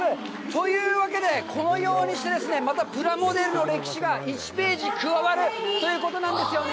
というわけで、このようにしてまたプラモデルの歴史が１ページ加わるということなんですよね。